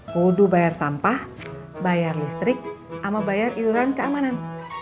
bodo bayar sampah bayar listrik ama bayar iluran keamanan